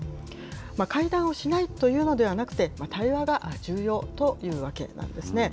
会談をしないというのではなくて、対話が重要というわけなんですね。